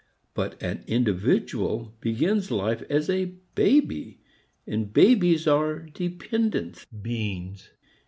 But an individual begins life as a baby, and babies are dependent beings.